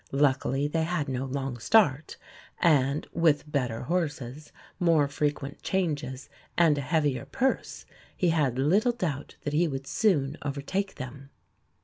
Luckily they had no long start; and, with better horses, more frequent changes, and a heavier purse, he had little doubt that he would soon overtake them.